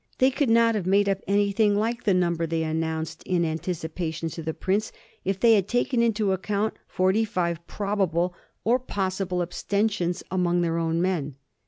They could not have made up anything life the number they announced in an ticipation to the prince if they had taken into account forty five probable or possible abstentions among their own men.